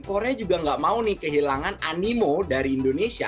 korea juga gak mau nih kehilangan animo dari indonesia